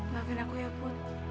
maafin aku ya pun